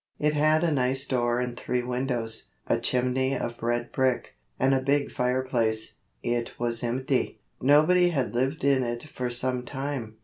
It had a nice door and three windows, a chimney of red brick, and a big fireplace. It was empty nobody had lived in it for some time.